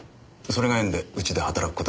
それが縁でうちで働く事に。